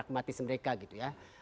di dalam artis mereka gitu ya